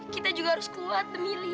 kita juga harus kuat demi dia